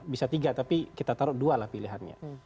bisa tiga tapi kita taruh dua lah pilihannya